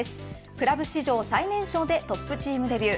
クラブ史上最年少でトップチームデビュー。